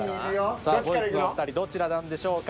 さぁ『ボイス』のお２人どちらなんでしょうか。